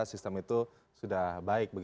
sistem itu sudah baik